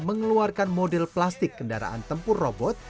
mengeluarkan model plastik kendaraan tempur robot